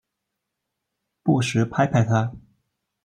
不时拍拍她